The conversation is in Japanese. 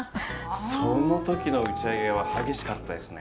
その時の打ち上げは激しかったですね。